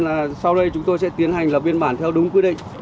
nên là sau đây chúng tôi sẽ tiến hành là biên bản theo đúng quy định